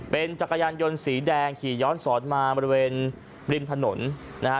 เป็นจักรยานยนต์สีแดงขี่ย้อนสอนมาบริเวณริมถนนนะฮะ